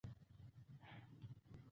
ځغاسته د ذهن له خستګي خلاصوي